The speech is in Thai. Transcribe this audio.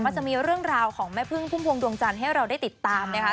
จะมีเรื่องราวของแม่พึ่งพุ่มพวงดวงจันทร์ให้เราได้ติดตามนะคะ